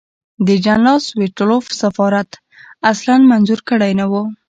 د جنرال سټولیتوف سفارت اصلاً منظور کړی نه وو.